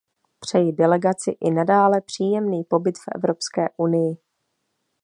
Přeji delegaci i nadále příjemný pobyt v Evropské unii.